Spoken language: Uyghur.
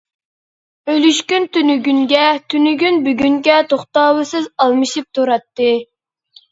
ئۈلۈشكۈن تۈنۈگۈنگە، تۈنۈگۈن بۈگۈنگە توختاۋسىز ئالمىشىپ تۇراتتى.